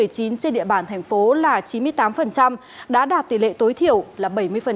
trên địa bàn thành phố là chín mươi tám đã đạt tỷ lệ tối thiểu là bảy mươi